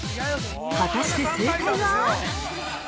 ◆果たして正解は？